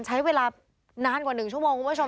ใช้เวลานานกว่า๑ชั่วโมงคุณผู้ชม